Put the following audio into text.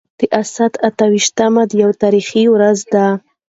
د اسد اته ويشتمه يوه تاريخي ورځ ده.